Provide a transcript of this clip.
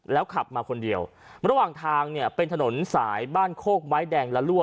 แล้วขับมาคนเดียวระหว่างทางเนี่ยเป็นถนนสายบ้านโคกไม้แดงละลั่